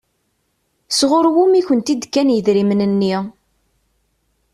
Sɣur wumi i kent-d-kan idrimen-nni?